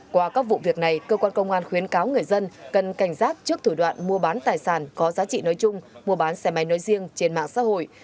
qua các vụ việc này cơ quan công an khuyến cáo người dân cần cảnh giác trước thủ đoạn mua bán tài sản có giá trị nói chung mua bán xe máy nói riêng trên mạng xã hội